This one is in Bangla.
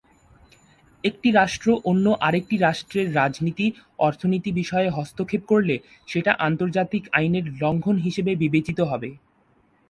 একটি রাষ্ট্র অন্য আরেকটি রাষ্ট্রের রাজনীতি, অর্থনীতি বিষয়ে হস্তক্ষেপ করলে সেটা আন্তর্জাতিক আইনের লঙ্ঘন হিসেবে বিবেচিত হবে।